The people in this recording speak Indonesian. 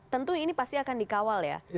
tentu ini pasti akan dikawal ya